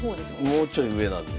もうちょい上なんで。